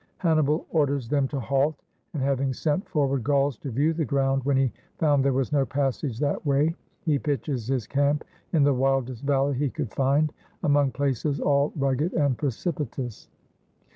Hanni bal orders them to halt, and having sent forward Gauls to view the ground, when he found there was no passage that way, he pitches his camp in the wildest valley he could find, among places all rugged and precipitous.